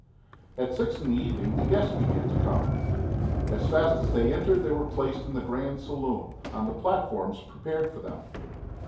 At six in the evening the guests began to come. As fast as they entered, they were placed in the grand saloon, on the platforms prepared for them.